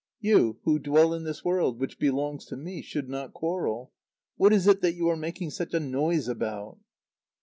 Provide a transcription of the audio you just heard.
You, who dwell in this world, which belongs to me, should not quarrel. What is it that you are making such a noise about?"